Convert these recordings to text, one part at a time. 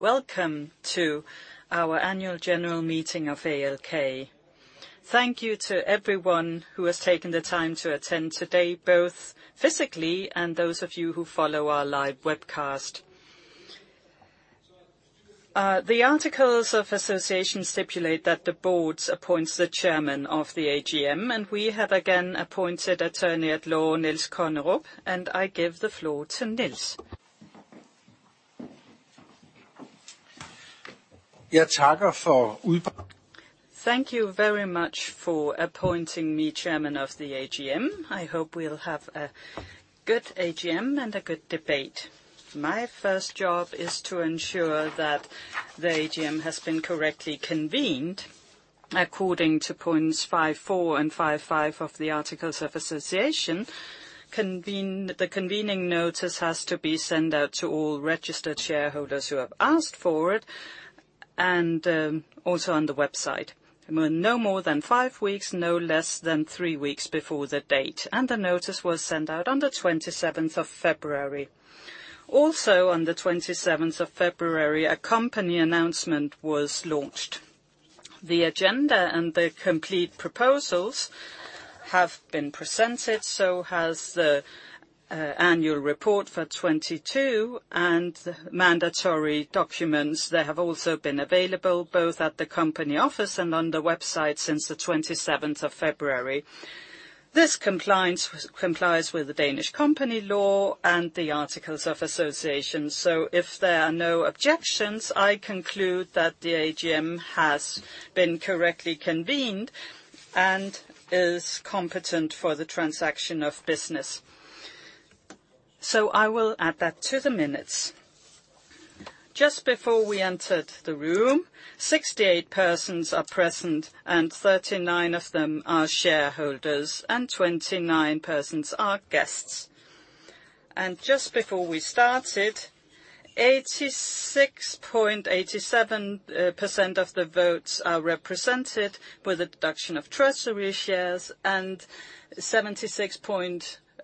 Welcome to our annual general meeting of ALK. Thank you to everyone who has taken the time to attend today, both physically and those of you who follow our live webcast. The articles of association stipulate that the Board appoints the chairman of the AGM, and we have again appointed Attorney at Law, Niels Kornerup, and I give the floor to Niels. Thank you very much for appointing me chairman of the AGM. I hope we'll have a good AGM and a good debate. My first job is to ensure that the AGM has been correctly convened according to points 5-4 and 5-5 of the articles of association. The convening notice has to be sent out to all registered shareholders who have asked for it and also on the website, no more than five weeks, no less than three weeks before the date. The notice was sent out on the 27th of February. On the 27th of February, a company announcement was launched. The agenda and the complete proposals have been presented, so has the annual report for 2022 and mandatory documents that have also been available both at the company office and on the website since the 27th of February. This complies with the Danish Companies Act and the articles of association. If there are no objections, I conclude that the AGM has been correctly convened and is competent for the transaction of business. I will add that to the minutes. Just before we entered the room, 68 persons are present, and 39 of them are shareholders, and 29 persons are guests. Just before we started, 86.87% of the votes are represented with the deduction of treasury shares, and 76.06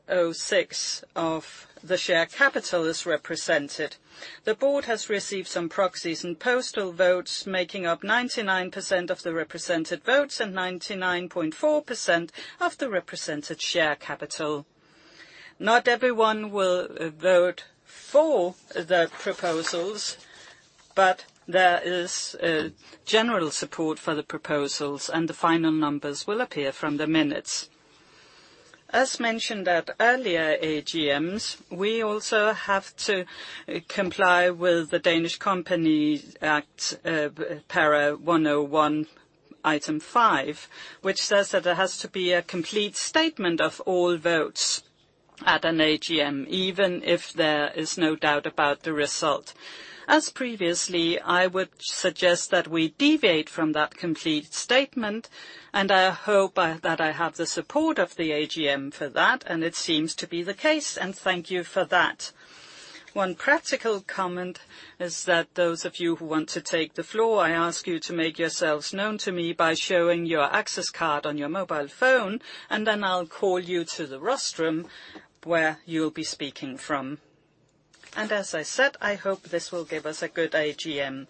of the share capital is represented. The board has received some proxies and postal votes, making up 99% of the represented votes and 99.4% of the represented share capital. Not everyone will vote for the proposals, but there is a general support for the proposals, and the final numbers will appear from the minutes. As mentioned at earlier AGMs, we also have to comply with the Danish Companies Act, para 101, item five, which says that there has to be a complete statement of all votes at an AGM, even if there is no doubt about the result. As previously, I would suggest that we deviate from that complete statement, I hope that I have the support of the AGM for that, and it seems to be the case, and thank you for that. One practical comment is that those of you who want to take the floor, I ask you to make yourselves known to me by showing your access card on your mobile phone, and then I'll call you to the rostrum where you'll be speaking from. As I said, I hope this will give us a good AGM.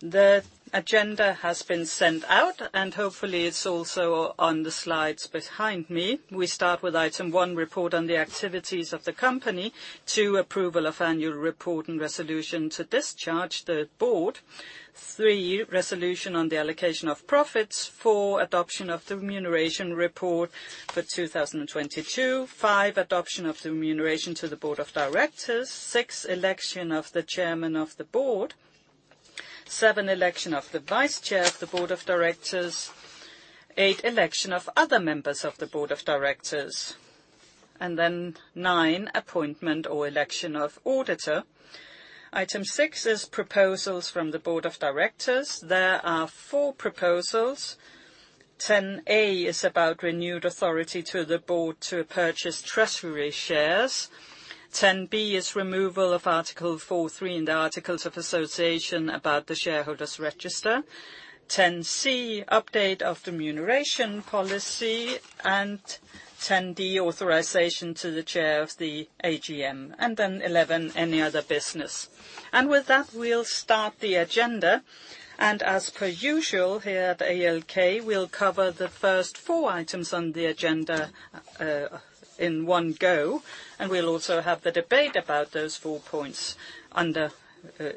The agenda has been sent out, and hopefully it's also on the slides behind me. We start with item one, report on the activities of the company. Two, approval of annual report and resolution to discharge the board. three, resolution on the allocation of profits. Four adoption of the remuneration report for 2022. Five, adoption of the remuneration to the Board of Directors. Six, election of the Chairman of the Board. Seven, election of the Vice Chair of the Board of Directors. Eight, election of other members of the Board of Directors. Nine, appointment or election of auditor. Item six is proposals from the Board of Directors. There are four proposals. 10-A is about renewed authority to the Board to purchase treasury shares. 10-B is removal of Article 4.3 in the articles of association about the shareholders register. 10-C, update of the remuneration policy, and 10-D, authorization to the Chair of the AGM. 11, any other business. With that, we'll start the agenda. As per usual here at ALK, we'll cover the first four items on the agenda, in one go, and we'll also have the debate about those four points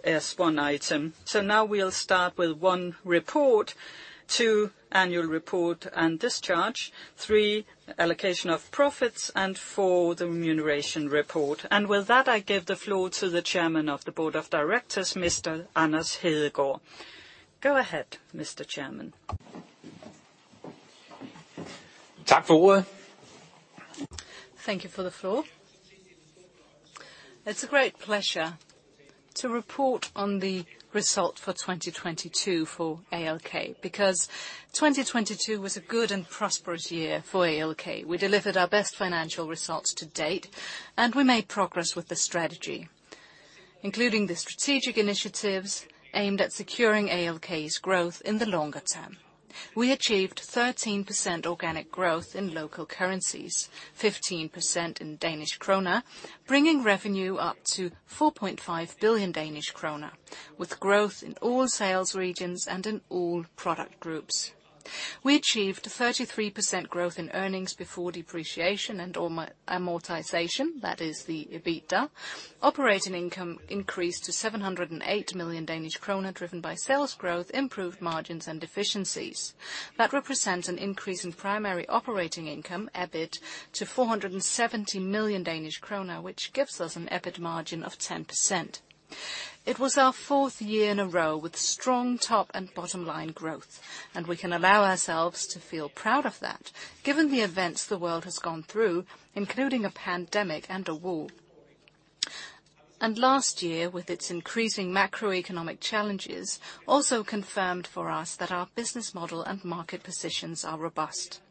as one item. Now we'll start with one, report. two, annual report and discharge. three, allocation of profits, and four, the remuneration report. With that, I give the floor to the Chairman of the Board of Directors, Mr. Anders Hedegaard. Go ahead, Mr. Chairman. Thank you for the floor. It's a great pleasure to report on the result for 2022 for ALK, because 2022 was a good and prosperous year for ALK. We delivered our best financial results to date, and we made progress with the strategy, including the strategic initiatives aimed at securing ALK's growth in the longer term. We achieved 13% organic growth in local currencies, 15% in DKK, bringing revenue up to 4.5 billion Danish kroner, with growth in all sales regions and in all product groups. We achieved 33% growth in earnings before depreciation and amortization, that is the EBITDA. Operating income increased to 708 million Danish kroner driven by sales growth, improved margins and efficiencies. That represents an increase in primary operating income, EBIT, to 470 million Danish kroner, which gives us an EBIT margin of 10%. It was our fourth year in a row with strong top and bottom line growth, we can allow ourselves to feel proud of that given the events the world has gone through, including a pandemic and a war. Last year with its increasing macroeconomic challenges also confirmed for us that our business model and market positions are robust.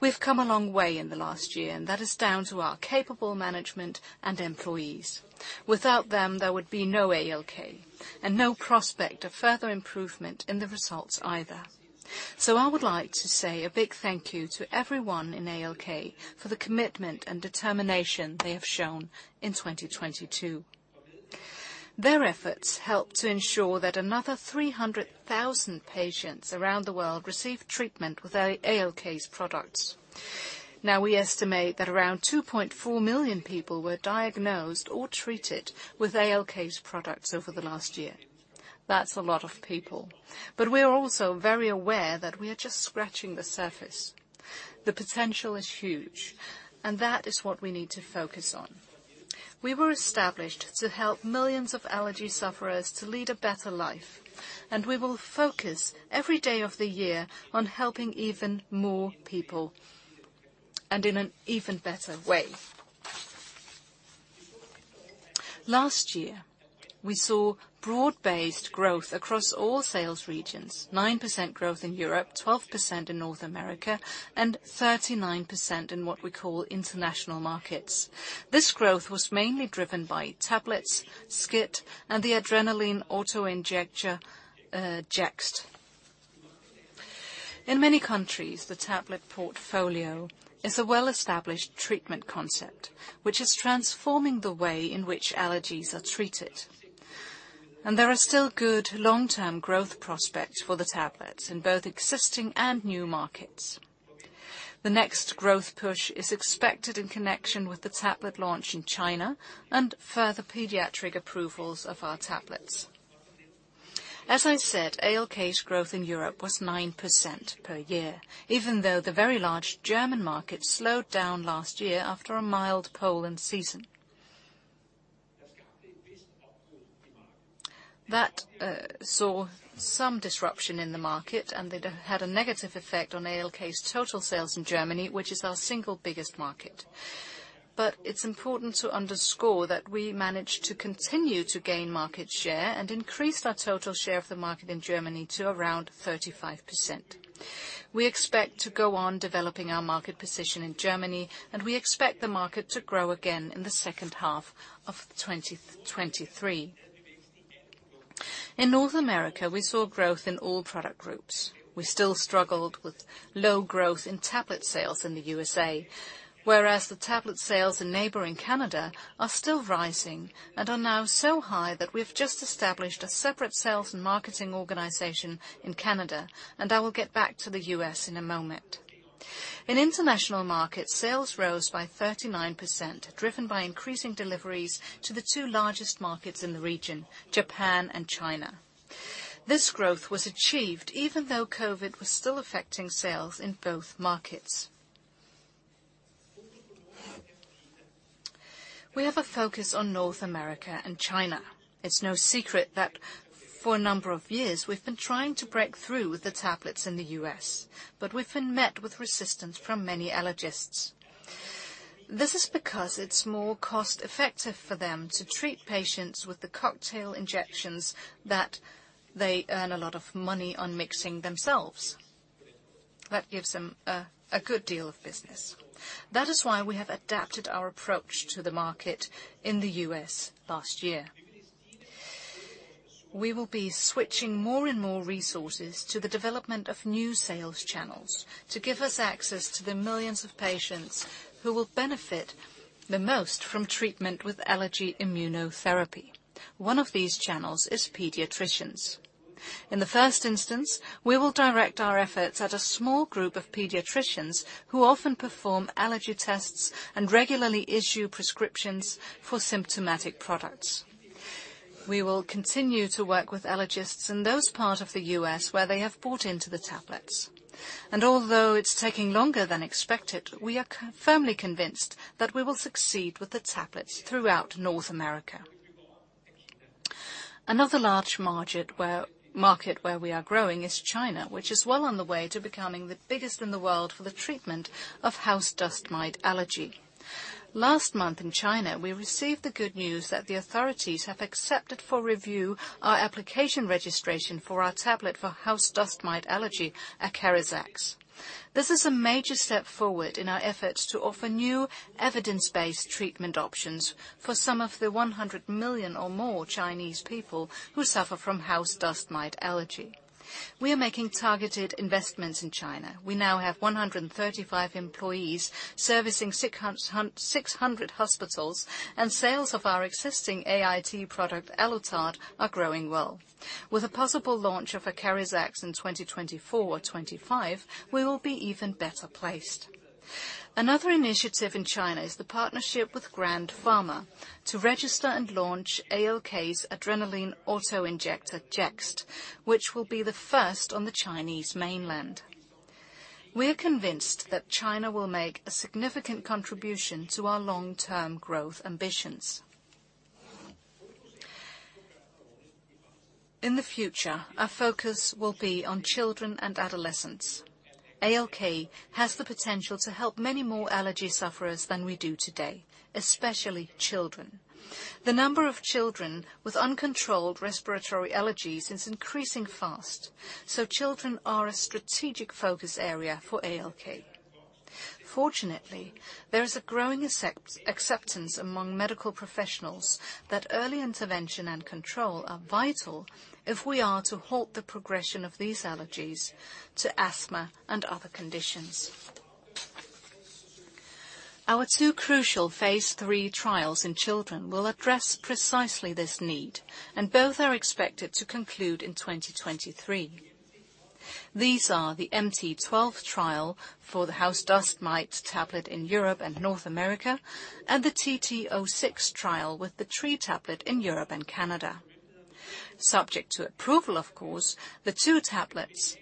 We've come a long way in the last year, and that is down to our capable management and employees. Without them, there would be no ALK and no prospect of further improvement in the results either. I would like to say a big thank you to everyone in ALK for the commitment and determination they have shown in 2022. Their efforts helped to ensure that another 300,000 patients around the world received treatment with ALK's products. We estimate that around 2.4 million people were diagnosed or treated with ALK's products over the last year. That's a lot of people. We're also very aware that we are just scratching the surface. The potential is huge, and that is what we need to focus on. We were established to help millions of allergy sufferers to lead a better life, and we will focus every day of the year on helping even more people and in an even better way. Last year, we saw broad-based growth across all sales regions. 9% growth in Europe, 12% in North America, and 39% in what we call international markets. This growth was mainly driven by tablets, SCIT, and the adrenaline auto-injector, Jext. In many countries, the tablet portfolio is a well-established treatment concept, which is transforming the way in which allergies are treated. There are still good long-term growth prospects for the tablets in both existing and new markets. The next growth push is expected in connection with the tablet launch in China and further pediatric approvals of our tablets. As I said, ALK's growth in Europe was 9% per year, even though the very large German market slowed down last year after a mild pollen season. That saw some disruption in the market, and it had a negative effect on ALK's total sales in Germany, which is our single biggest market. It's important to underscore that we managed to continue to gain market share and increased our total share of the market in Germany to around 35%. We expect to go on developing our market position in Germany. We expect the market to grow again in the second half of 2023. In North America, we saw growth in all product groups. We still struggled with low growth in tablet sales in the U.S.A. The tablet sales in neighboring Canada are still rising and are now so high that we've just established a separate sales and marketing organization in Canada. I will get back to the U.S. in a moment. In international markets, sales rose by 39%, driven by increasing deliveries to the two largest markets in the region, Japan and China. This growth was achieved even though COVID was still affecting sales in both markets. We have a focus on North America and China. It's no secret that for a number of years, we've been trying to break through with the tablets in the U.S., but we've been met with resistance from many allergists. This is because it's more cost effective for them to treat patients with the cocktail injections that they earn a lot of money on mixing themselves. That gives them a good deal of business. That is why we have adapted our approach to the market in the U.S. last year. We will be switching more and more resources to the development of new sales channels to give us access to the millions of patients who will benefit the most from treatment with allergy immunotherapy. One of these channels is pediatricians. In the first instance, we will direct our efforts at a small group of pediatricians who often perform allergy tests and regularly issue prescriptions for symptomatic products. We will continue to work with allergists in those parts of the U.S. where they have bought into the tablets. Although it's taking longer than expected, we are firmly convinced that we will succeed with the tablets throughout North America. Another large market where we are growing is China, which is well on the way to becoming the biggest in the world for the treatment of house dust mite allergy. Last month in China, we received the good news that the authorities have accepted for review our application registration for our tablet for house dust mite allergy, ACARIZAX. This is a major step forward in our efforts to offer new evidence-based treatment options for some of the 100 million or more Chinese people who suffer from house dust mite allergy. We are making targeted investments in China. We now have 135 employees servicing 600 hospitals, and sales of our existing AIT product, Alutard, are growing well. With a possible launch of ACARIZAX in 2024 or 2025, we will be even better placed. Another initiative in China is the partnership with Grandpharma to register and launch ALK's adrenaline auto-injector, Jext, which will be the first on the Chinese mainland. We're convinced that China will make a significant contribution to our long-term growth ambitions. In the future, our focus will be on children and adolescents. ALK has the potential to help many more allergy sufferers than we do today, especially children. The number of children with uncontrolled respiratory allergies is increasing fast, so children are a strategic focus area for ALK. Fortunately, there is a growing acceptance among medical professionals that early intervention and control are vital if we are to halt the progression of these allergies to asthma and other conditions. Our two crucial phase III trials in children will address precisely this need, and both are expected to conclude in 2023. These are the MT12 trial for the house dust mite tablet in Europe and North America, and the TT06 trial with the tree tablet in Europe and Canada. Subject to approval of course, the two tablets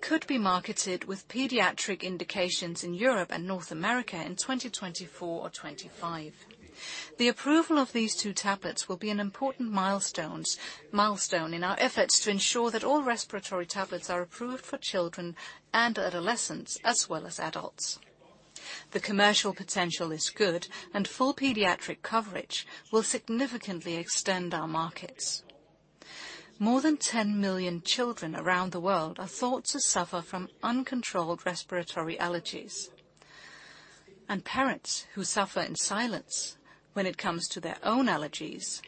could be marketed with pediatric indications in Europe and North America in 2024 or 2025. The approval of these two tablets will be an important milestone in our efforts to ensure that all respiratory tablets are approved for children and adolescents as well as adults. The commercial potential is good, and full pediatric coverage will significantly extend our markets. More than 10 million children around the world are thought to suffer from uncontrolled respiratory allergies. Parents who suffer in silence when it comes to their own allergies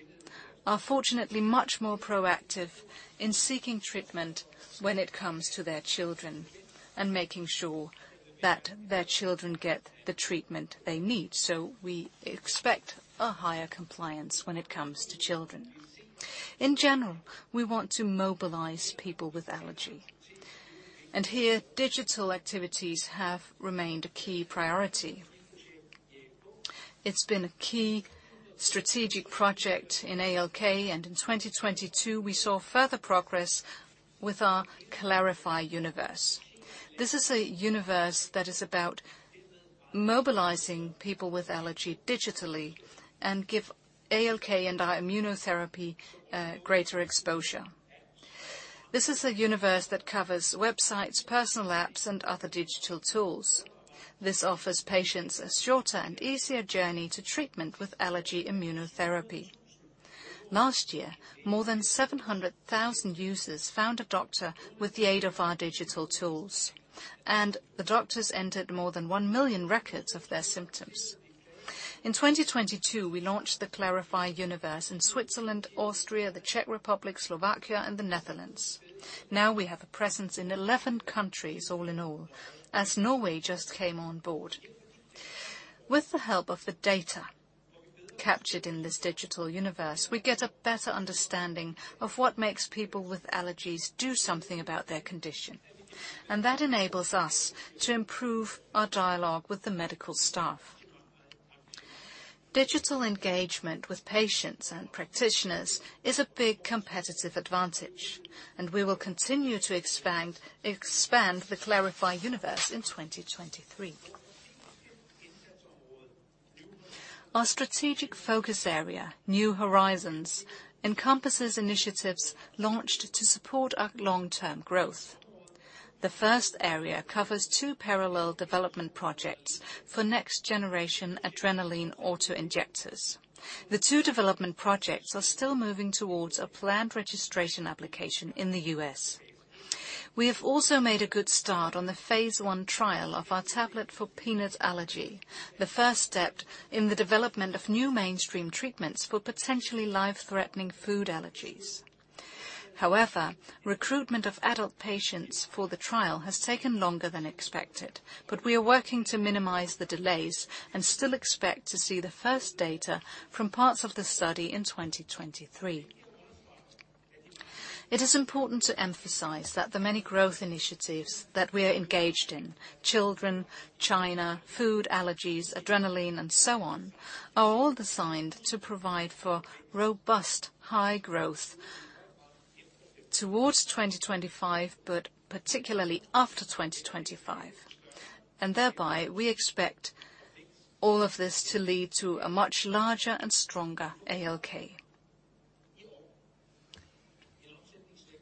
are fortunately much more proactive in seeking treatment when it comes to their children, and making sure that their children get the treatment they need. We expect a higher compliance when it comes to children. In general, we want to mobilize people with allergy. Here, digital activities have remained a key priority. It's been a key strategic project in ALK, and in 2022, we saw further progress with our klarify universe. This is a universe that is about mobilizing people with allergy digitally and give ALK and our immunotherapy, greater exposure. This is a universe that covers websites, personal apps, and other digital tools. This offers patients a shorter and easier journey to treatment with allergy immunotherapy. Last year, more than 700,000 users found a doctor with the aid of our digital tools, and the doctors entered more than one million records of their symptoms. In 2022, we launched the klarify universe in Switzerland, Austria, the Czech Republic, Slovakia, and the Netherlands. Now we have a presence in 11 countries all in all, as Norway just came on board. With the help of the data captured in this digital universe, we get a better understanding of what makes people with allergies do something about their condition. That enables us to improve our dialogue with the medical staff. Digital engagement with patients and practitioners is a big competitive advantage, we will continue to expand the klarify universe in 2023. Our strategic focus area, New Horizons, encompasses initiatives launched to support our long-term growth. The first area covers two parallel development projects for next generation adrenaline auto-injectors. The two development projects are still moving towards a planned registration application in the U.S. We have also made a good start on the phase I trial of our tablet for peanut allergy, the first step in the development of new mainstream treatments for potentially life-threatening food allergies. recruitment of adult patients for the trial has taken longer than expected, but we are working to minimize the delays and still expect to see the first data from parts of the study in 2023. It is important to emphasize that the many growth initiatives that we are engaged in, children, China, food allergies, adrenaline and so on, are all designed to provide for robust high growth towards 2025, particularly after 2025. Thereby, we expect all of this to lead to a much larger and stronger ALK.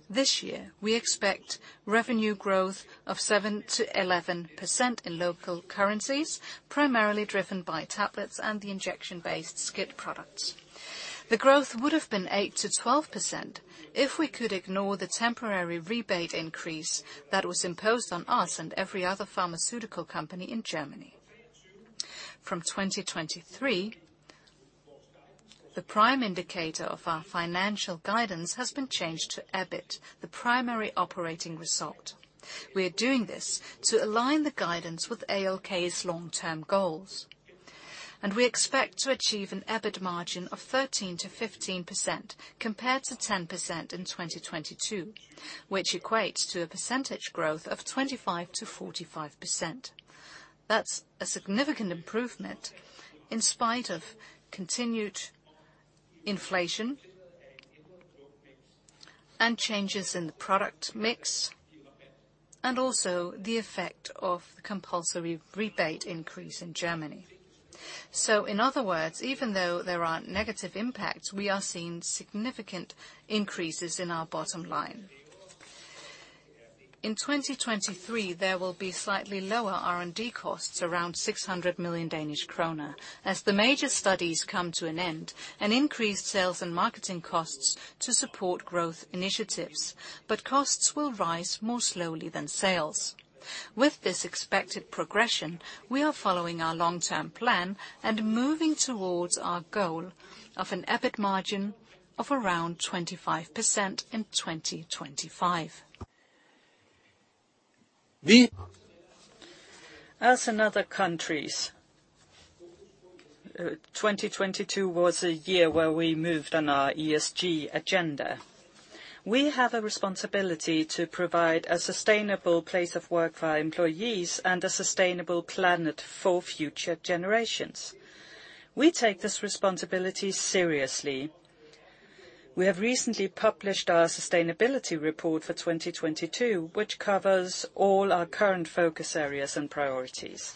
This year, we expect revenue growth of 7% to 11% in local currencies, primarily driven by tablets and the injection-based SCIT products. The growth would have been 8-12% if we could ignore the temporary rebate increase that was imposed on us and every other pharmaceutical company in Germany. From 2023, the prime indicator of our financial guidance has been changed to EBIT, the primary operating result. We are doing this to align the guidance with ALK's long-term goals, and we expect to achieve an EBIT margin of 13%-15% compared to 10% in 2022, which equates to a percentage growth of 25%-45%. That's a significant improvement in spite of continued inflation and changes in the product mix, and also the effect of the compulsory rebate increase in Germany. In other words, even though there are negative impacts, we are seeing significant increases in our bottom line. In 2023, there will be slightly lower R&D costs, around 600 million Danish kroner as the major studies come to an end, and increased sales and marketing costs to support growth initiatives. Costs will rise more slowly than sales. With this expected progression, we are following our long-term plan and moving towards our goal of an EBIT margin of around 25% in 2025. As in other countries, 2022 was a year where we moved on our ESG agenda. We have a responsibility to provide a sustainable place of work for our employees and a sustainable planet for future generations. We take this responsibility seriously. We have recently published our sustainability report for 2022, which covers all our current focus areas and priorities.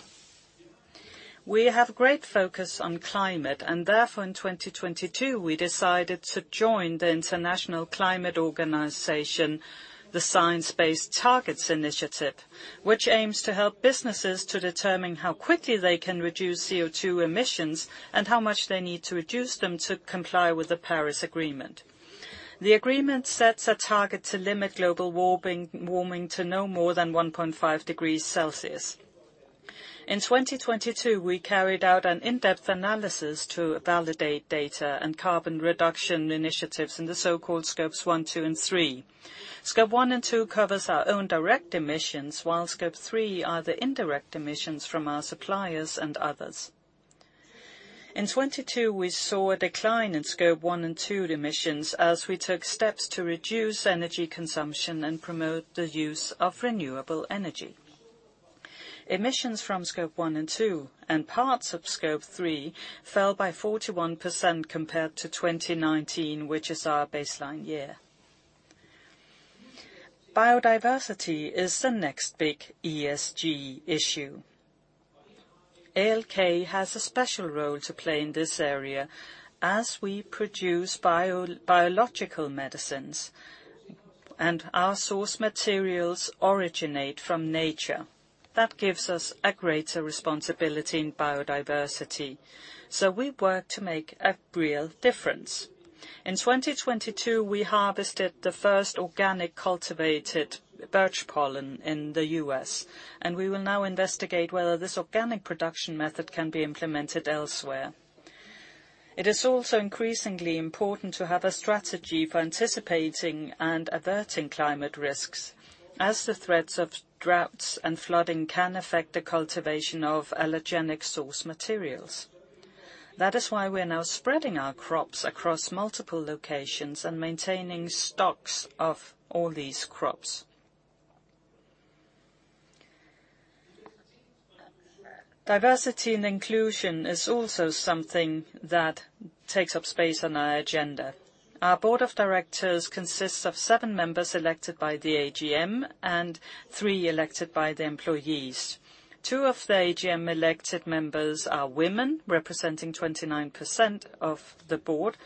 We have great focus on climate and therefore in 2022 we decided to join the international climate organization, the Science Based Targets initiative, which aims to help businesses to determine how quickly they can reduce CO₂ emissions and how much they need to reduce them to comply with the Paris Agreement. The agreement sets a target to limit global warming to no more than 1.5 degrees Celsius. In 2022, we carried out an in-depth analysis to validate data and carbon reduction initiatives in the so-called Scopes 1, 2, and 3. Scope 1 and 2 covers our own direct emissions, while Scope 3 are the indirect emissions from our suppliers and others. In 2022, we saw a decline in Scope 1 and 2 emissions as we took steps to reduce energy consumption and promote the use of renewable energy. Emissions from Scope 1 and 2 and parts of Scope 3 fell by 41% compared to 2019, which is our baseline year. Biodiversity is the next big ESG issue. ALK has a special role to play in this area as we produce bio-biological medicines, and our source materials originate from nature. That gives us a greater responsibility in biodiversity. We work to make a real difference. In 2022, we harvested the first organic cultivated birch pollen in the US, and we will now investigate whether this organic production method can be implemented elsewhere. It is also increasingly important to have a strategy for anticipating and averting climate risks, as the threats of droughts and flooding can affect the cultivation of allergenic source materials. That is why we are now spreading our crops across multiple locations and maintaining stocks of all these crops. Diversity and inclusion is also something that takes up space on our agenda. Our board of directors consists of seven members elected by the AGM and three elected by the employees. Two of the AGM elected members are women, representing 29% of the board,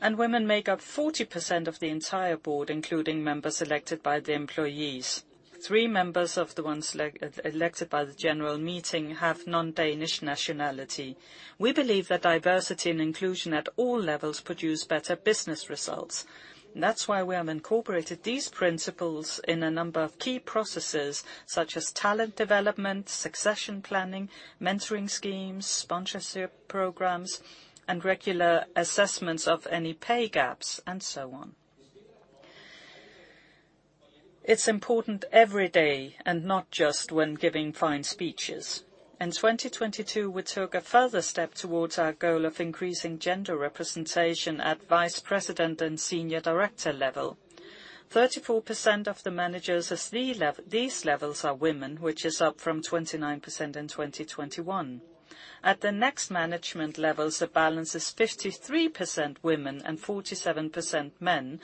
and women make up 40% of the entire board, including members elected by the employees. Three members of the ones elected by the general meeting have non-Danish nationality. We believe that diversity and inclusion at all levels produce better business results. That's why we have incorporated these principles in a number of key processes such as talent development, succession planning, mentoring schemes, sponsorship programs, and regular assessments of any pay gaps, and so on. It's important every day and not just when giving fine speeches. In 2022, we took a further step towards our goal of increasing gender representation at vice president and senior director level. 34% of the managers at these levels are women, which is up from 29% in 2021. At the next management levels, the balance is 53% women and 47% men,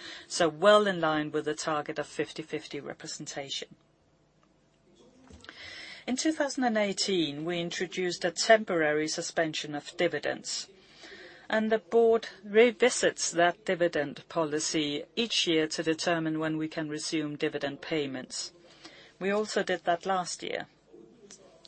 well in line with the target of 50/50 representation. In 2018, we introduced a temporary suspension of dividends. The board revisits that dividend policy each year to determine when we can resume dividend payments. We also did that last year.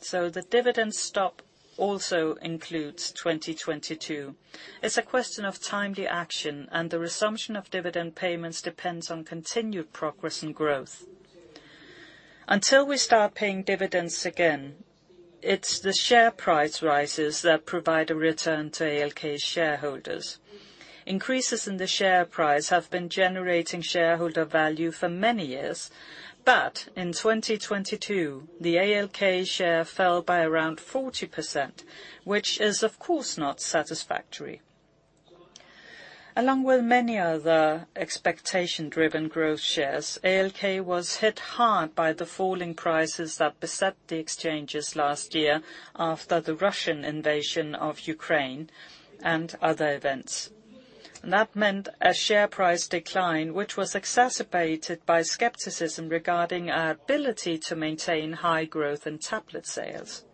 The dividend stop also includes 2022. It's a question of timely action. The resumption of dividend payments depends on continued progress and growth. Until we start paying dividends again, it's the share price rises that provide a return to ALK shareholders. Increases in the share price have been generating shareholder value for many years, but in 2022, the ALK share fell by around 40%, which is of course, not satisfactory. Along with many other expectation-driven growth shares, ALK was hit hard by the falling prices that beset the exchanges last year after the Russian invasion of Ukraine and other events. That meant a share price decline, which was exacerbated by skepticism regarding our ability to maintain high growth in tablet sales.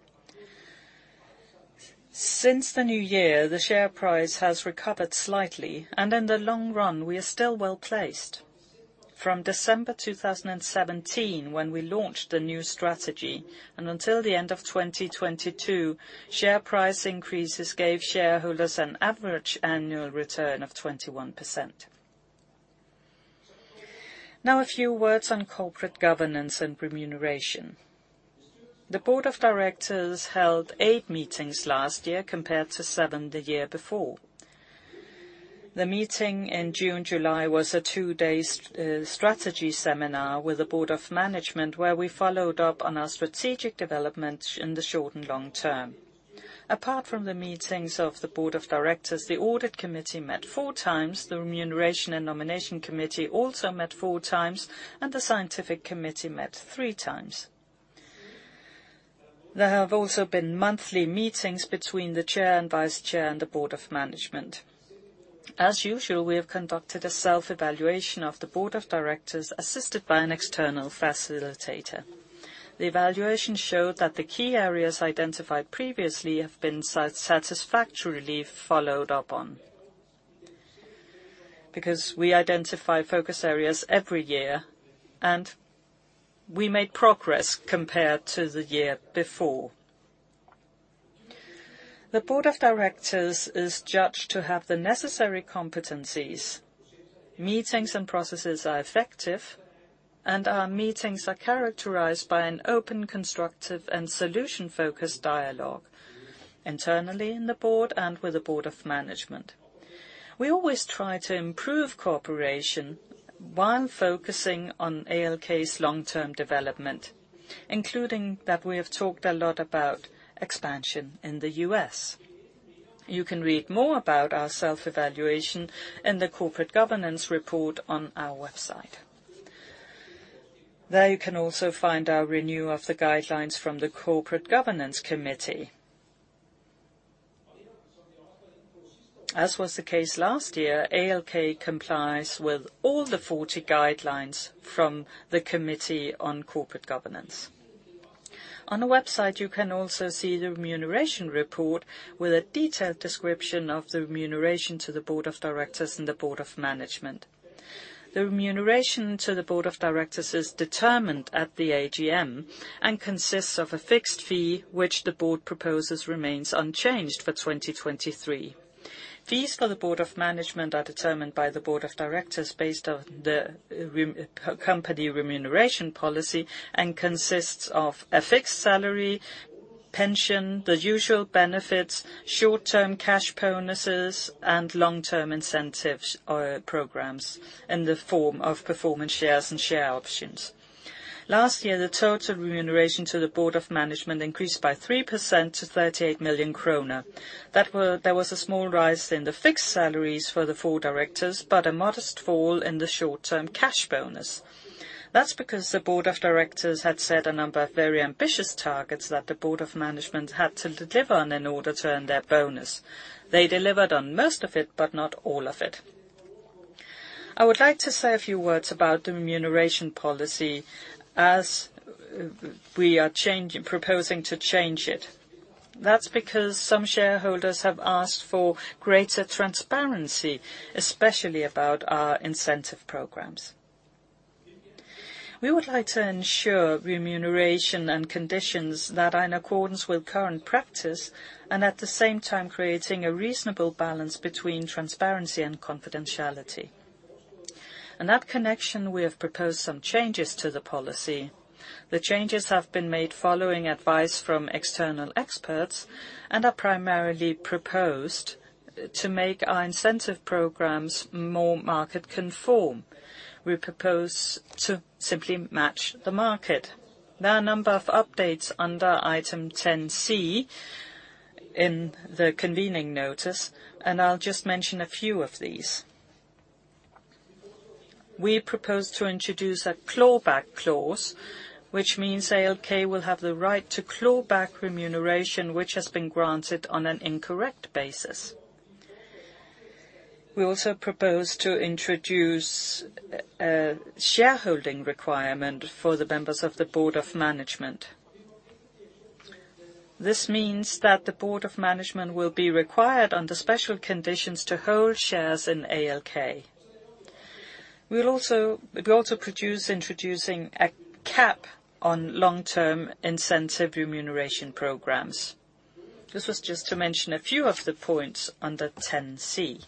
Since the new year, the share price has recovered slightly, and in the long run, we are still well-placed. From December 2017, when we launched the new strategy, and until the end of 2022, share price increases gave shareholders an average annual return of 21%. Now a few words on corporate governance and remuneration. The board of directors held eight meetings last year compared to seven the year before. The meeting in June, July was a two-day strategy seminar with the board of management, where we followed up on our strategic development in the short and long term. Apart from the meetings of the board of directors, the Audit Committee met four times, the Remuneration & Nomination Committee also met four times, and the Scientific Committee met three times. There have also been monthly meetings between the chair and vice-chair and the board of management. As usual, we have conducted a self-evaluation of the board of directors, assisted by an external facilitator. The evaluation showed that the key areas identified previously have been satisfactorily followed up on. We identify focus areas every year, and we made progress compared to the year before. The board of directors is judged to have the necessary competencies. Meetings and processes are effective, and our meetings are characterized by an open, constructive, and solution-focused dialogue internally in the board and with the board of management. We always try to improve cooperation while focusing on ALK's long-term development, including that we have talked a lot about expansion in the U.S. You can read more about our self-evaluation in the corporate governance report on our website. There you can also find our renewal of the guidelines from the Corporate Governance Committee. As was the case last year, ALK complies with all the 40 guidelines from the Committee on Corporate Governance. On the website, you can also see the remuneration report with a detailed description of the remuneration to the board of directors and the board of management. The remuneration to the board of directors is determined at the AGM and consists of a fixed fee, which the board proposes remains unchanged for 2023. Fees for the board of management are determined by the board of directors based on the company remuneration policy and consists of a fixed salary, pension, the usual benefits, short-term cash bonuses, and long-term incentives or programs in the form of performance shares and share options. Last year, the total remuneration to the board of management increased by 3% to 38 million kroner. There was a small rise in the fixed salaries for the four directors, but a modest fall in the short-term cash bonus. That's because the board of directors had set a number of very ambitious targets that the board of management had to deliver on in order to earn their bonus. They delivered on most of it. Not all of it. I would like to say a few words about the remuneration policy as we are proposing to change it. That's because some shareholders have asked for greater transparency, especially about our incentive programs. We would like to ensure remuneration and conditions that are in accordance with current practice and at the same time creating a reasonable balance between transparency and confidentiality. In that connection, we have proposed some changes to the policy. The changes have been made following advice from external experts and are primarily proposed to make our incentive programs more market-conform. We propose to simply match the market. There are a number of updates under item 10 C in the convening notice, I'll just mention a few of these. We propose to introduce a clawback clause, which means ALK will have the right to clawback remuneration which has been granted on an incorrect basis. We also propose to introduce a shareholding requirement for the members of the board of management. This means that the board of management will be required under special conditions to hold shares in ALK. We also produce introducing a cap on long-term incentive remuneration programs. This was just to mention a few of the points under 10C.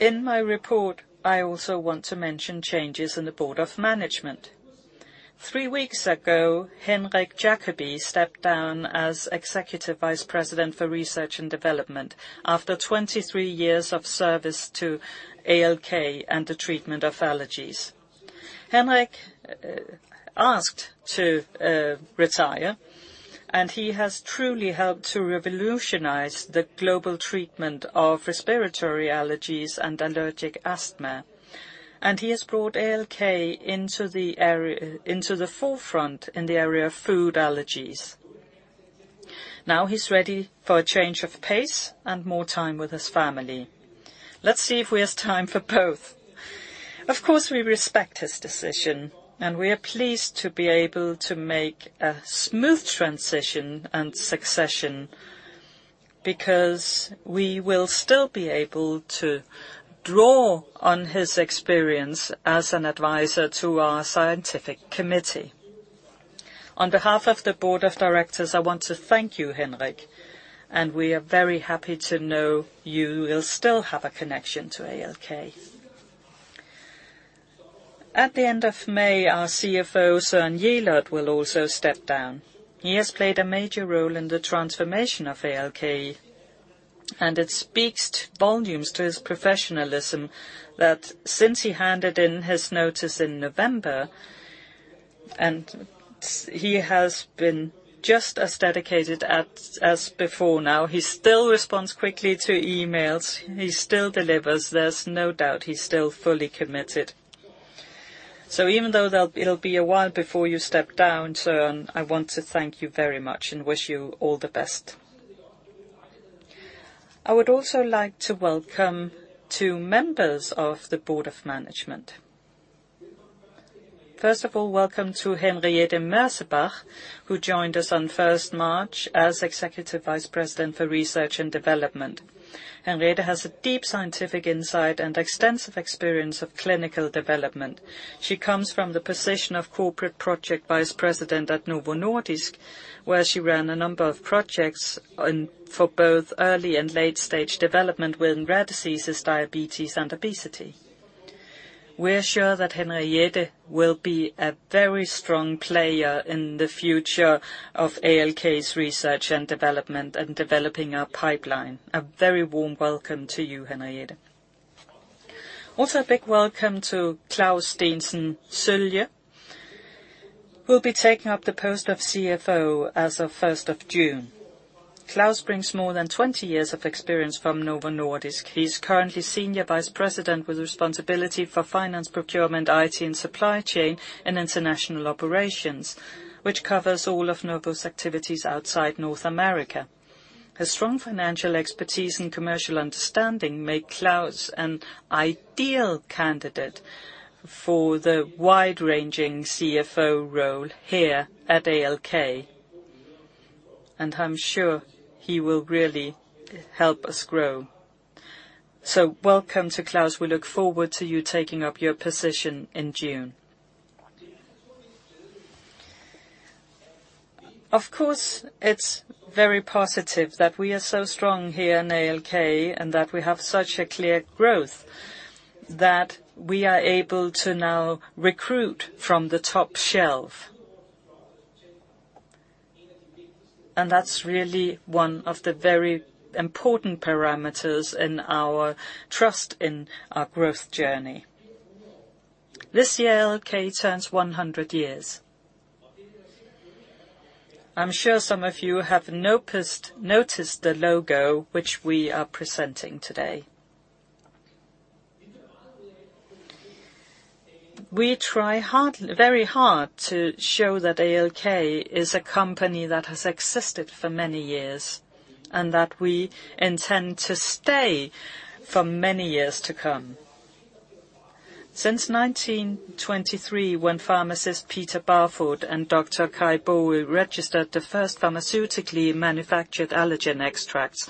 In my report, I also want to mention changes in the board of management. Three weeks ago, Henrik Jacobi stepped down as Executive Vice President for Research and Development after 23 years of service to ALK and the treatment of allergies. Henrik asked to retire, and he has truly helped to revolutionize the global treatment of respiratory allergies and allergic asthma. He has brought ALK into the forefront in the area of food allergies. He's ready for a change of pace and more time with his family. Let's see if he has time for both. Of course, we respect his decision, and we are pleased to be able to make a smooth transition and succession because we will still be able to draw on his experience as an advisor to our Scientific Committee. On behalf of the board of directors, I want to thank you, Henrik, and we are very happy to know you will still have a connection to ALK. At the end of May, our CFO, Søren Jelert, will also step down. He has played a major role in the transformation of ALK. It speaks volumes to his professionalism that since he handed in his notice in November, he has been just as dedicated as before now. He still responds quickly to emails. He still delivers. There's no doubt he's still fully committed. Even though it'll be a while before you step down, Søren, I want to thank you very much and wish you all the best. I would also like to welcome two members of the board of management. First of all, welcome to Henriette Mersebach, who joined us on first March as Executive Vice President for Research & Development. Henriette has a deep scientific insight and extensive experience of clinical development. She comes from the position of Corporate Project Vice President at Novo Nordisk, where she ran a number of projects and for both early and late-stage development within rare diseases, diabetes and obesity. We're sure that Henriette will be a very strong player in the future of ALK's research and development and developing our pipeline. A very warm welcome to you, Henriette. A big welcome to Claus Steensen Sølje, who'll be taking up the post of CFO as of first of June. Claus brings more than 20 years of experience from Novo Nordisk. He is currently Senior Vice President with responsibility for finance, procurement, IT, and supply chain in international operations, which covers all of Novo's activities outside North America. His strong financial expertise and commercial understanding make Claus an ideal candidate for the wide-ranging CFO role here at ALK, and I'm sure he will really help us grow. Welcome to Claus. We look forward to you taking up your position in June. Of course, it's very positive that we are so strong here in ALK and that we have such a clear growth that we are able to now recruit from the top shelf. That's really one of the very important parameters in our trust in our growth journey. This year, ALK turns 100 years. I'm sure some of you have noticed the logo which we are presenting today. We try hard, very hard to show that ALK is a company that has existed for many years and that we intend to stay for many years to come. Since 1923, when pharmacist Peter Barfod and Dr. Kaj Baagøe registered the first pharmaceutically manufactured allergen extracts,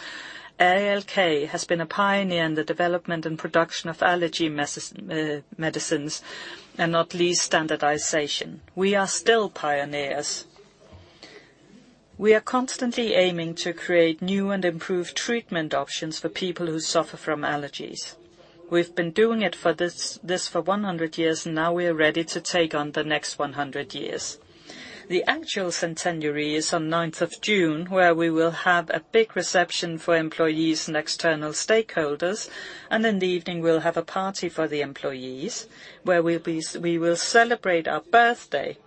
ALK has been a pioneer in the development and production of allergy medicines and, not least, standardization. We are still pioneers. We are constantly aiming to create new and improved treatment options for people who suffer from allergies. We've been doing it for this for 100 years. Now we are ready to take on the next 100 years. The actual centenary is on 9th of June, where we will have a big reception for employees and external stakeholders. In the evening we'll have a party for the employees, where we will celebrate our birthday.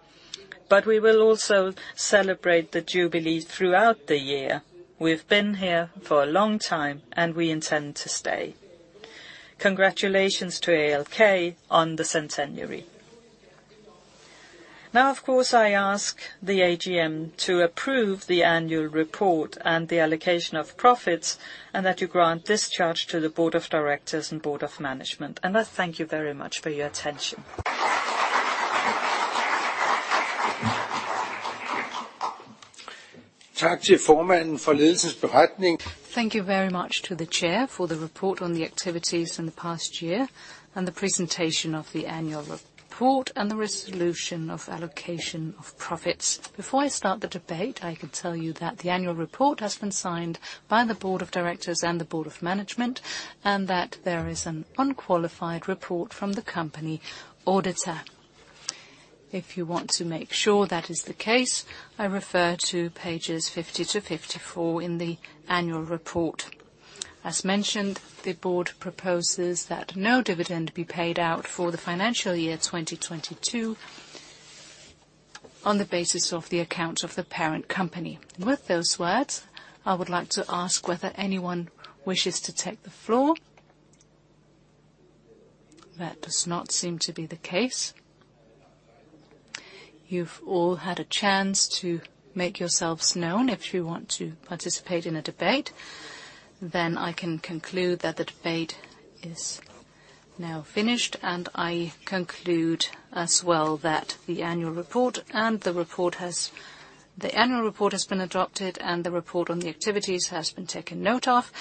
We will also celebrate the jubilee throughout the year. We've been here for a long time, and we intend to stay. Congratulations to ALK on the centenary. Now of course, I ask the AGM to approve the annual report and the allocation of profits and that you grant discharge to the board of directors and board of management. I thank you very much for your attention. Thank you, Chairman, for the report on the activities in the past year and the presentation of the annual report and the resolution of allocation of profits. Before I start the debate, I can tell you that the annual report has been signed by the board of directors and the board of management, and that there is an unqualified report from the company auditor. If you want to make sure that is the case, I refer to pages 50 to 54 in the annual report. As mentioned, the board proposes that no dividend be paid out for the financial year 2022 on the basis of the account of the parent company. With those words, I would like to ask whether anyone wishes to take the floor. That does not seem to be the case. You've all had a chance to make yourselves known if you want to participate in a debate. I can conclude that the debate is now finished. I conclude as well that the annual report has been adopted and the report on the activities has been taken note of.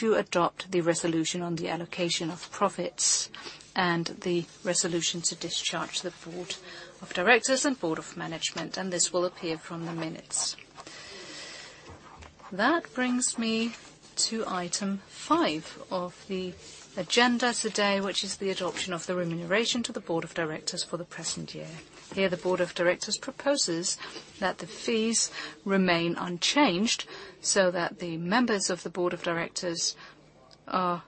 You adopt the resolution on the allocation of profits and the resolution to discharge the board of directors and board of management. This will appear from the minutes. That brings me to item five of the agenda today, which is the adoption of the remuneration to the board of directors for the present year. Here, the Board of Directors proposes that the fees remain unchanged, so that the members of the Board of Directors are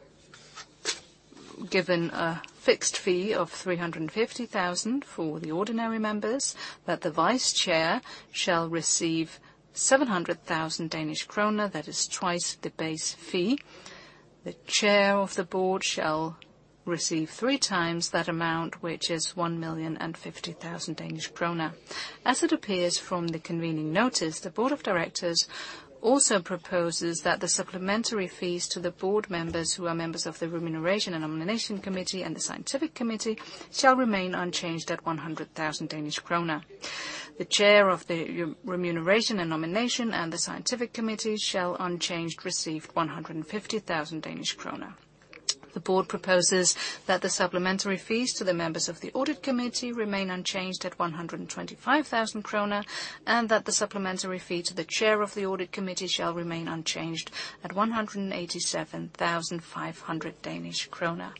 given a fixed fee of 350,000 for the ordinary members, that the Vice Chair shall receive 700,000 Danish krone, that is twice the base fee. The Chair of the Board shall receive three times that amount, which is 1,050,000 Danish krone. As it appears from the convening notice, the Board of Directors also proposes that the supplementary fees to the Board members who are members of the Remuneration & Nomination Committee and the Scientific Committee shall remain unchanged at 100,000 Danish krone. The Chair of the Remuneration & Nomination Committee and the Scientific Committee shall unchanged receive 150,000 Danish krone. The board proposes that the supplementary fees to the members of the Audit Committee remain unchanged at 125,000 kroner, and that the supplementary fee to the chair of the Audit Committee shall remain unchanged at 187,500 Danish kroner.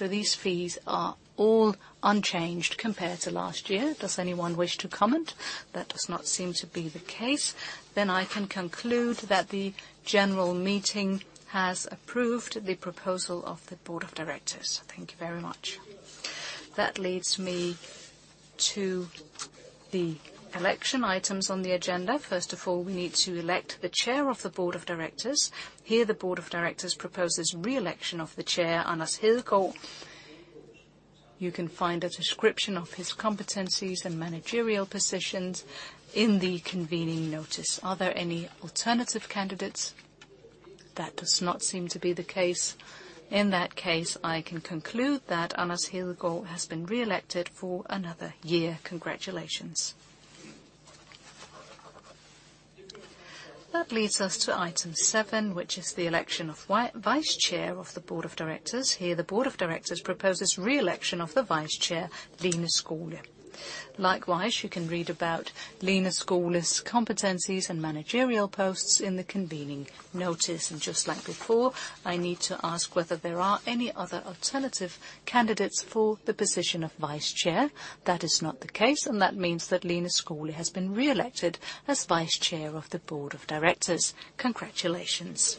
These fees are all unchanged compared to last year. Does anyone wish to comment? That does not seem to be the case. I can conclude that the general meeting has approved the proposal of the board of directors. Thank you very much. That leads me to the election items on the agenda. First of all, we need to elect the chair of the board of directors. Here, the board of directors proposes re-election of the chair, Anders Hedegaard. You can find a description of his competencies and managerial positions in the convening notice. Are there any alternative candidates? That does not seem to be the case. In that case, I can conclude that Anders Hedegaard has been re-elected for another year. Congratulations. That leads us to item seven, which is the election of Vice Chair of the Board of Directors. Here, the Board of Directors proposes re-election of the Vice Chair, Lene Skole. Likewise, you can read about Lene Skole's competencies and managerial posts in the convening notice. Just like before, I need to ask whether there are any other alternative candidates for the position of vice-chair. That is not the case. That means that Lene Skole has been re-elected as Vice Chair of the Board of Directors. Congratulations.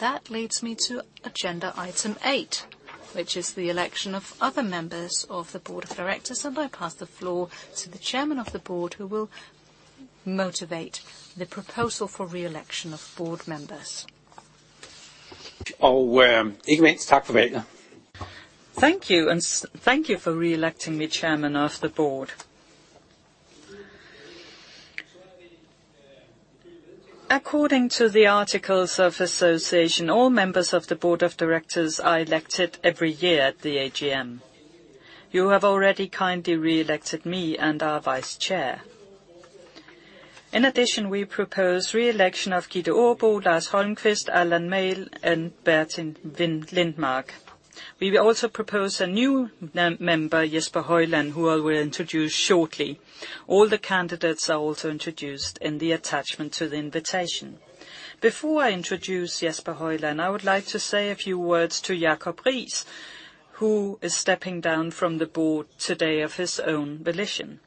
That leads me to agenda item eight, which is the election of other members of the Board of Directors. I pass the floor to the Chairman of the Board who will motivate the proposal for re-election of board members. Thank you. Thank you for re-electing me Chairman of the Board. According to the articles of association, all members of the board of directors are elected every year at the AGM. You have already kindly re-elected me and our Vice Chair. In addition, we propose re-election of Gitte Aabo, Lars Holmqvist, Alan Main, and Bertil Lindmark. We will also propose a new member, Jesper Høiland, who I will introduce shortly. All the candidates are also introduced in the attachment to the invitation. Before I introduce Jesper Høiland, I would like to say a few words to Jakob Riis, who is stepping down from the board today of his own volition.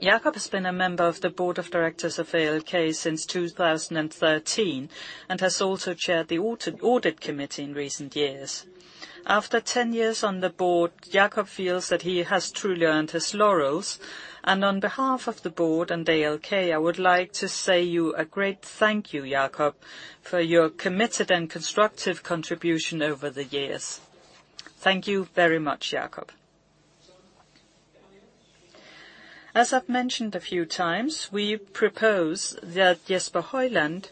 Jakob has been a member of the board of directors of ALK since 2013 and has also chaired the Audit Committee in recent years. After 10 years on the board, Jakob feels that he has truly earned his laurels. On behalf of the board and ALK, I would like to say you a great thank you, Jakob, for your committed and constructive contribution over the years. Thank you very much, Jakob. As I've mentioned a few times, we propose that Jesper Høiland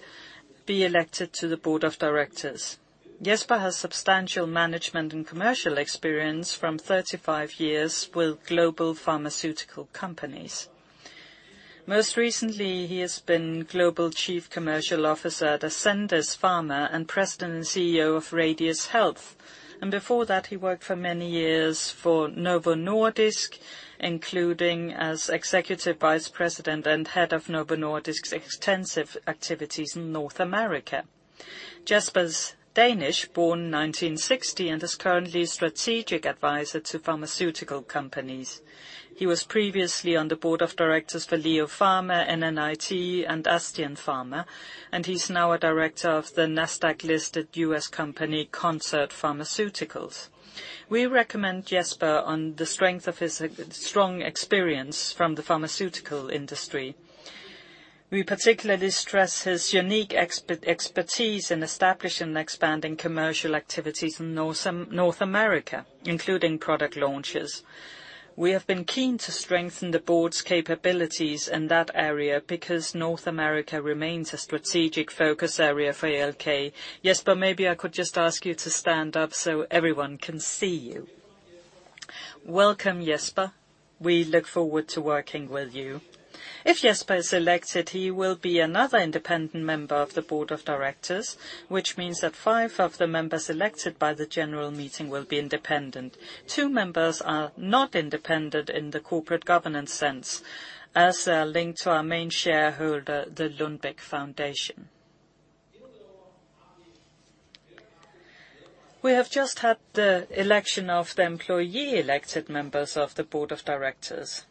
be elected to the board of Directors. Jesper has substantial management and commercial experience from 35 years with global pharmaceutical companies. Most recently, he has been Global Chief Commercial Officer at Ascendis Pharma and President and CEO of Radius Health. Before that, he worked for many years for Novo Nordisk, including as Executive Vice President and Head of Novo Nordisk's extensive activities in North America. Jesper's Danish, born 1960, and is currently a strategic advisor to pharmaceutical companies. He was previously on the board of directors for LEO Pharma, NNIT, and Astion Pharma. He's now a director of the Nasdaq-listed U.S. company Concert Pharmaceuticals. We recommend Jesper on the strength of his strong experience from the pharmaceutical industry. We particularly stress his unique expertise in establishing and expanding commercial activities in North America, including product launches. We have been keen to strengthen the board's capabilities in that area because North America remains a strategic focus area for ALK. Jesper, maybe I could just ask you to stand up so everyone can see you. Welcome, Jesper. We look forward to working with you. If Jesper is elected, he will be another independent member of the board of directors, which means that five of the members elected by the general meeting will be independent. Two members are not independent in the corporate governance sense, as they are linked to our main shareholder, the Lundbeck Foundation. We have just had the election of the employee-elected members of the board of directors.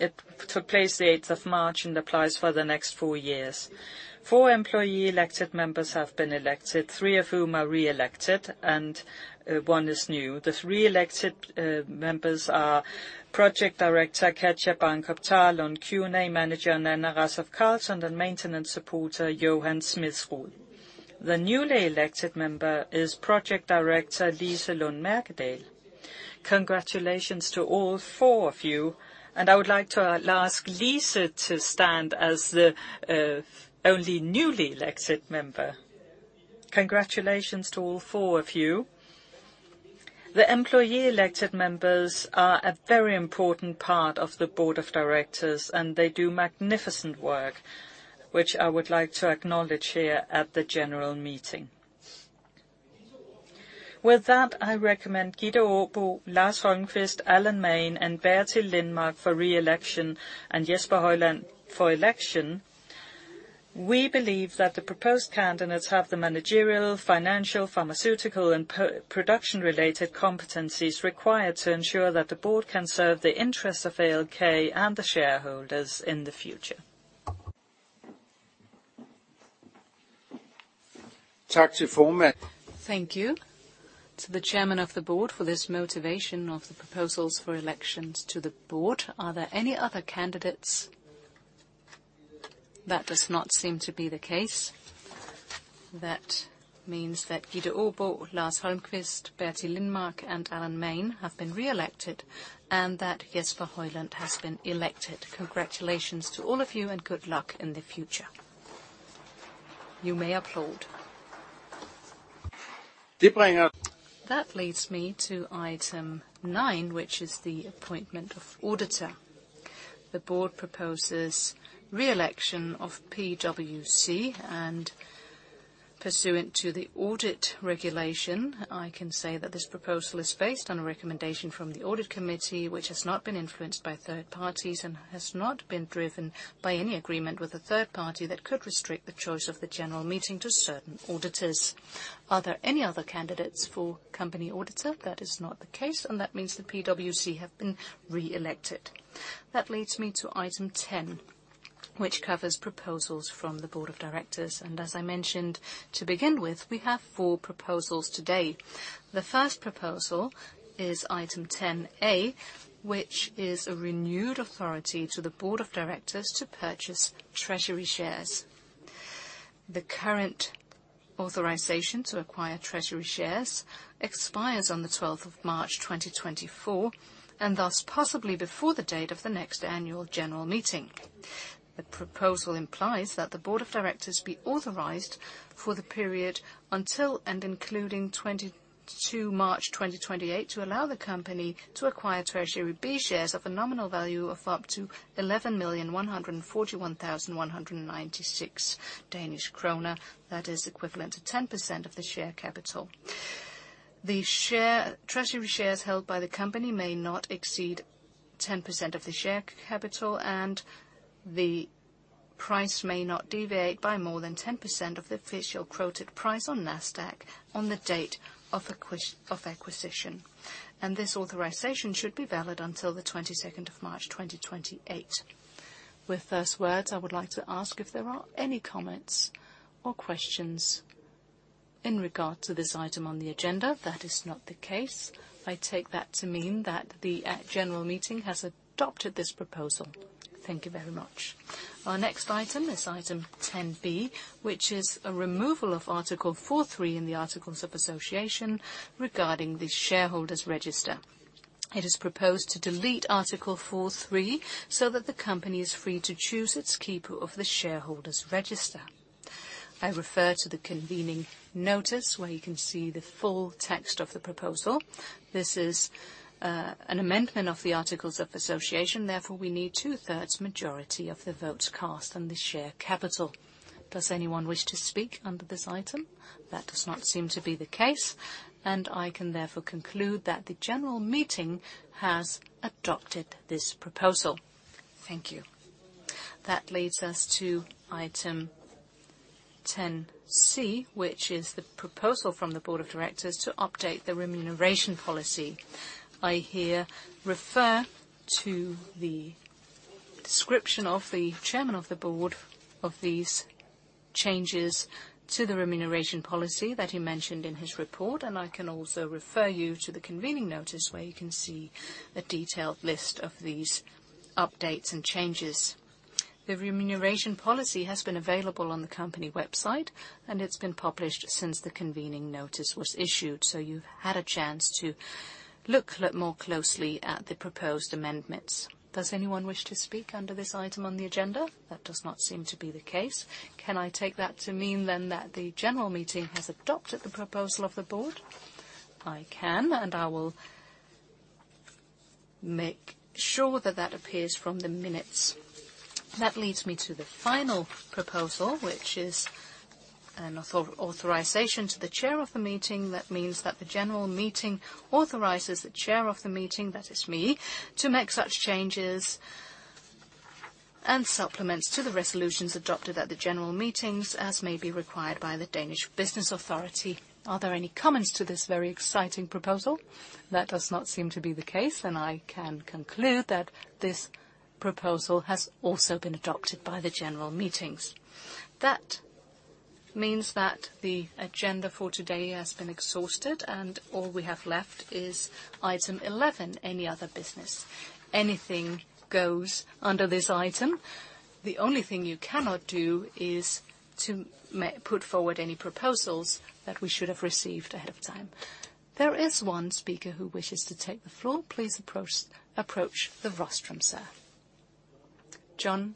It took place the 8th of March and applies for the next four years. Four employee-elected members have been elected, three of whom are reelected and one is new. The three elected members are Project Director Katja Barnkob, on QA Manager Nanna Carlson, and Maintenance Supporter Johan Smedsrud. The newly elected member is Project Director Lise Lund Mærkedahl. Congratulations to all four of you, and I would like to ask Lise to stand as the only newly elected member. Congratulations to all four of you. The employee-elected members are a very important part of the board of directors, and they do magnificent work, which I would like to acknowledge here at the general meeting. With that, I recommend Gitte Aabo, Lars Holmqvist, Alan Main, and Bertil Lindmark for reelection, and Jesper Høiland for election. We believe that the proposed candidates have the managerial, financial, pharmaceutical, and production-related competencies required to ensure that the board can serve the interests of ALK and the shareholders in the future. Thank you to the chairman of the board for this motivation of the proposals for elections to the board. Are there any other candidates? Does not seem to be the case. Means that Gitte Aabo, Lars Holmqvist, Bertil Lindmark, and Alan Main have been reelected, and that Jesper Høiland has been elected. Congratulations to all of you and good luck in the future. You may applaud. Leads me to Item Nine, which is the appointment of auditor. The board proposes reelection of PwC, and pursuant to the audit regulation, I can say that this proposal is based on a recommendation from the Audit Committee, which has not been influenced by third parties and has not been driven by any agreement with a third party that could restrict the choice of the general meeting to certain auditors. Are there any other candidates for company auditor? That is not the case, and that means the PwC have been reelected. That leads me to Item 10, which covers proposals from the board of directors. As I mentioned to begin with, we have four proposals today. The first proposal is Item 10 A, which is a renewed authority to the board of directors to purchase treasury shares. The current authorization to acquire treasury shares expires on the twelfth of March 2024, and thus possibly before the date of the next annual general meeting. The proposal implies that the board of directors be authorized for the period until and including 22 March 2028 to allow the company to acquire treasury B shares of a nominal value of up to 11,141,196 Danish kroner. That is equivalent to 10% of the share capital. Treasury shares held by the company may not exceed 10% of the share capital, the price may not deviate by more than 10% of the official quoted price on Nasdaq on the date of acquisition. This authorization should be valid until the 22nd of March 2028. With first words, I would like to ask if there are any comments or questions in regard to this item on the agenda. That is not the case. I take that to mean that the general meeting has adopted this proposal. Thank you very much. Our next item is Item 10 B, which is a removal of Article 4.3 in the Articles of Association regarding the shareholders' register. It is proposed to delete Article 4.3, so that the company is free to choose its keeper of the shareholders' register. I refer to the convening notice where you can see the full text of the proposal. This is an amendment of the articles of association, therefore we need two-thirds majority of the votes cast on the share capital. Does anyone wish to speak under this item? That does not seem to be the case, I can therefore conclude that the general meeting has adopted this proposal. Thank you. That leads us to item 10 C, which is the proposal from the Board of Directors to update the remuneration policy. I here refer to the description of the chairman of the board of these changes to the remuneration policy that he mentioned in his report. I can also refer you to the convening notice where you can see a detailed list of these updates and changes. The remuneration policy has been available on the company website. It's been published since the convening notice was issued. You've had a chance to look more closely at the proposed amendments. Does anyone wish to speak under this item on the agenda? That does not seem to be the case. Can I take that to mean that the general meeting has adopted the proposal of the board? I can. I will make sure that that appears from the minutes. That leads me to the final proposal, which is an authorization to the chair of the meeting. That means that the general meeting authorizes the chair of the meeting, that is me, to make such changes and supplements to the resolutions adopted at the general meetings as may be required by the Danish Business Authority. Are there any comments to this very exciting proposal? That does not seem to be the case. I can conclude that this proposal has also been adopted by the general meetings. That means that the agenda for today has been exhausted. All we have left is item 11, any other business. Anything goes under this item. The only thing you cannot do is to put forward any proposals that we should have received ahead of time. There is one speaker who wishes to take the floor. Please approach the rostrum, sir. John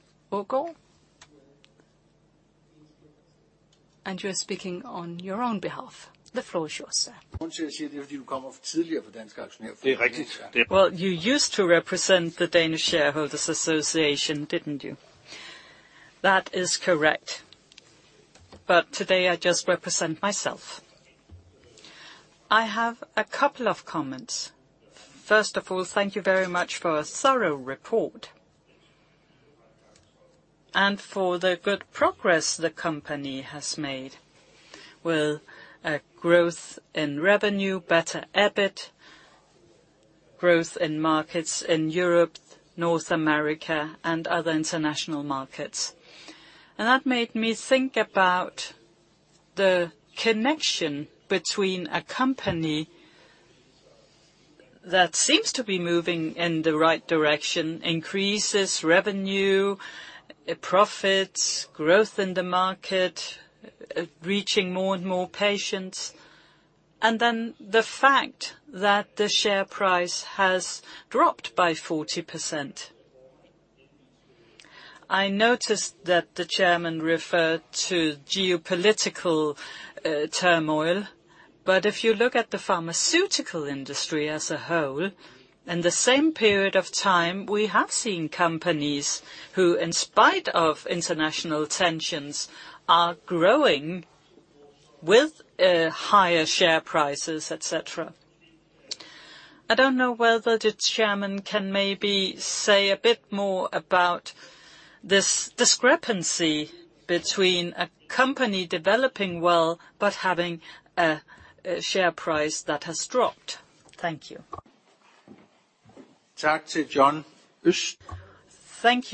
Aagaard. You're speaking on your own behalf. The floor is yours, sir. Well, you used to represent the Danish Shareholders Association, didn't you? That is correct. Today, I just represent myself. I have a couple of comments. First of all, thank you very much for a thorough report and for the good progress the company has made with a growth in revenue, better EBIT, growth in markets in Europe, North America, and other international markets. That made me think about the connection between a company that seems to be moving in the right direction, increases revenue, profits, growth in the market, reaching more and more patients, and then the fact that the share price has dropped by 40%. I noticed that the chairman referred to geopolitical turmoil. If you look at the pharmaceutical industry as a whole, in the same period of time, we have seen companies who, in spite of international tensions, are growing with higher share prices, et cetera. I don't know whether the chairman can maybe say a bit more about this discrepancy between a company developing well but having a share price that has dropped. Thank you. Thank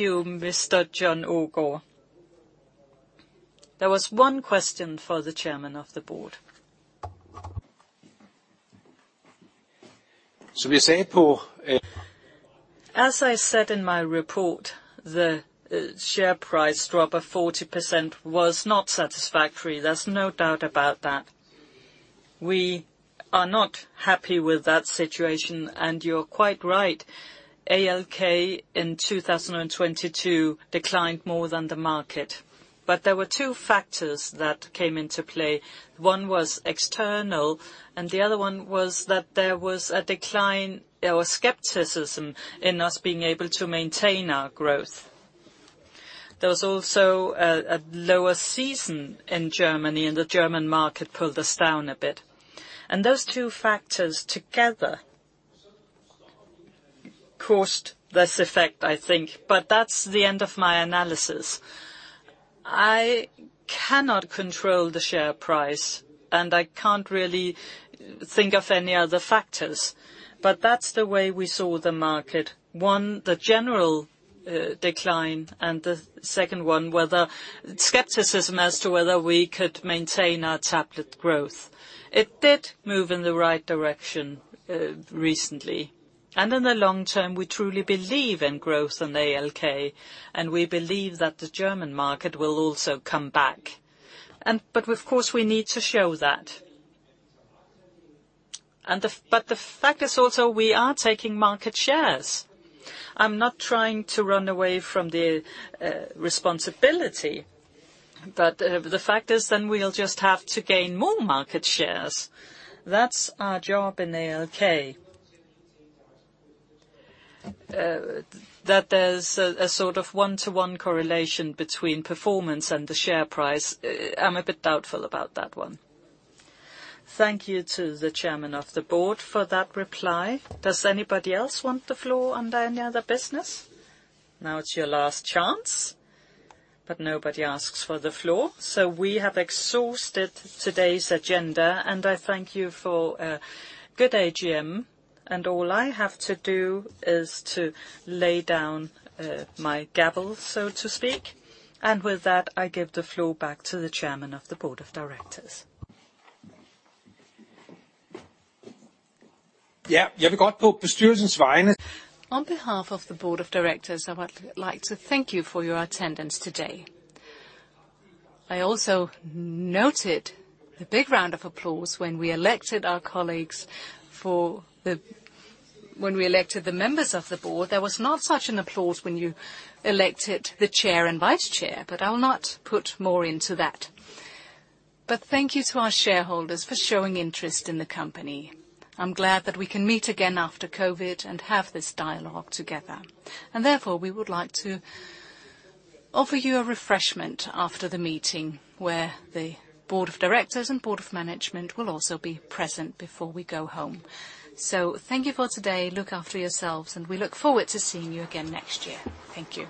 you, Mr. Jon Aagaard. There was one question for the chairman of the board. As I said in my report, the share price drop of 40% was not satisfactory. There's no doubt about that. We are not happy with that situation, you're quite right. ALK in 2022 declined more than the market. There were 2 factors that came into play. One was external, and the other one was that there was a decline. There was skepticism in us being able to maintain our growth. There was also a lower season in Germany, and the German market pulled us down a bit. Those two factors together caused this effect, I think. That's the end of my analysis. I cannot control the share price, and I can't really think of any other factors. That's the way we saw the market. One, the general decline, and the second one, whether skepticism as to whether we could maintain our tablet growth. It did move in the right direction recently. In the long term, we truly believe in growth in ALK, and we believe that the German market will also come back. But of course, we need to show that. The fact is also, we are taking market shares. I'm not trying to run away from the responsibility, but the fact is then we'll just have to gain more market shares. That's our job in ALK. That there's a one-to-one correlation between performance and the share price, I'm a bit doubtful about that one. Thank you to the chairman of the board for that reply. Does anybody else want the floor under any other business? Now it's your last chance, but nobody asks for the floor. We have exhausted today's agenda, and I thank you for a good AGM. All I have to do is to lay down my gavel, so to speak. With that, I give the floor back to the chairman of the board of directors. On behalf of the board of directors, I would like to thank you for your attendance today. I also noted the big round of applause when we elected the members of the board. There was not such an applause when you elected the chair and vice-chair. I'll not put more into that. Thank you to our shareholders for showing interest in the company. I'm glad that we can meet again after COVID and have this dialogue together. Therefore, we would like to offer you a refreshment after the meeting, where the board of directors and board of management will also be present before we go home. Thank you for today, look after yourselves, and we look forward to seeing you again next year. Thank you.